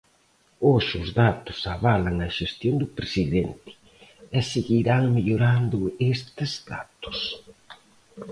Hoxe os datos avalan a xestión do presidente, e seguirán mellorando estes datos.